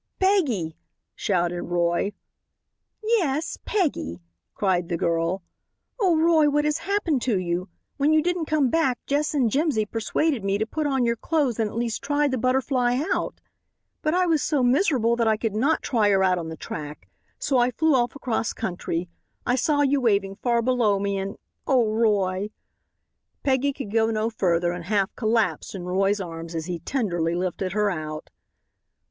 "Peggy!" shouted Roy. "Yes, Peggy," cried the girl. "Oh, Roy, what has happened to you? When you didn't come back Jess and Jimsy persuaded me to put on your clothes and at least try the Butterfly out. But I was so miserable that I could not try her out on the track, so I flew off across country. I saw you waving far below me and oh, Roy!" Peggy could go no further and half collapsed in Roy's arms as he tenderly lifted her out.